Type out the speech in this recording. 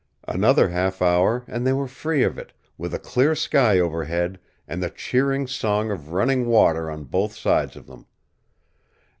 Another half hour and they were free of it, with a clear sky overhead and the cheering song of running water on both sides of them.